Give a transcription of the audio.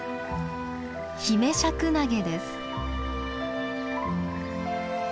ヒメシャクナゲです。